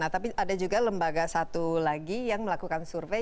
tapi ada juga lembaga satu lagi yang melakukan survei